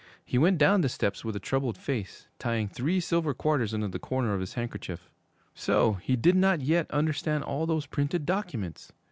He went down the steps with a troubled face, tying three silver quarters into the corner of his handkerchief. So he did not yet understand all those printed documents!